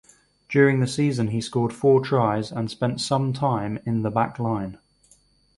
During the season he scored four tries and spent some time in the backline.